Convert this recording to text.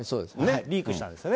リークしたんですね。